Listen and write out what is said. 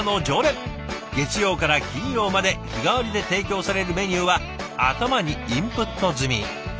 月曜から金曜まで日替わりで提供されるメニューは頭にインプット済み。